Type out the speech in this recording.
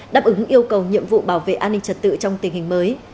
đáp ứng yêu cầu nhiệm vụ bảo vệ an ninh trật tự trong tình hình mới